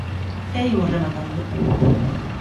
E imos rematando.